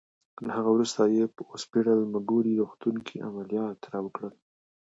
له هغه وروسته یې په اوسپیډل مګوري روغتون کې عملیات راوکړل.